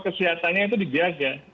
kesehatannya itu dijaga